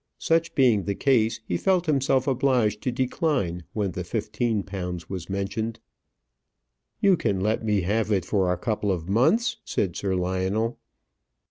Such being the case, he felt himself obliged to decline when the fifteen pounds was mentioned. "You can let me have it for a couple of months?" said Sir Lionel.